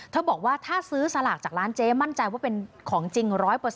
บอกว่าถ้าซื้อสลากจากร้านเจ๊มั่นใจว่าเป็นของจริง๑๐๐